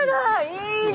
いいね！